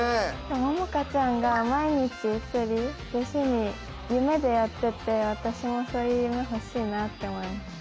百々絵ちゃんが毎日釣り趣味夢でやってて私もそういう夢欲しいなって思いました。